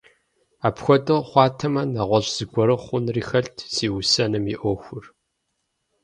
Апхуэдэу хъуатэмэ, нэгъуэщӀ зыгуэру хъунри хэлът си усэным и Ӏуэхур.